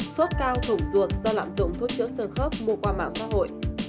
sốt cao thủng ruột do lạm dụng thuốc chữa sơn khớp mùa qua mạng xã hội